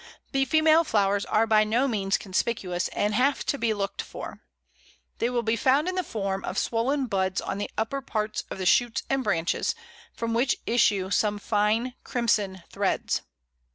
The female flowers are by no means conspicuous, and have to be looked for. They will be found in the form of swollen buds on the upper parts of the shoots and branches, from which issue some fine crimson threads.